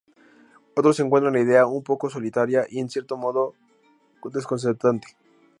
Otros encuentran la idea un poco solitaria y en cierto modo desconcertante.